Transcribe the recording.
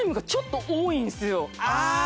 ああ！